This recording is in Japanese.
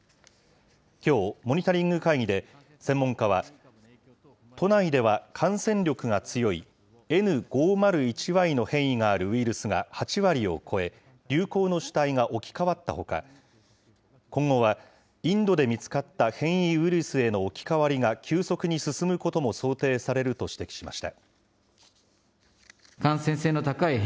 きょう、モニタリング会議で専門家は、都内では感染力が強いＮ５０１Ｙの変異があるウイルスが８割を超え、流行の主体が置き換わったほか、今後はインドで見つかった変異ウイルスへの置き換わりが急速に進むことも想定されると指摘しました。